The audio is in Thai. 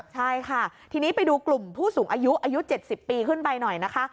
ใช่ค่ะทีนี้ไปดูกลุ่มผู้สูงอายุอายุ๗๐ปีขึ้นไปหน่อยนะคะ